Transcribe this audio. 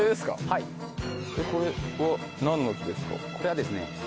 はいこれはですね